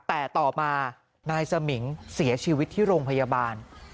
แต่ต่อมานายสมิงเสียชีวิตที่โรงพยาบาล